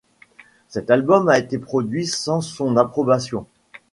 Cet album a été produit sans son approbation.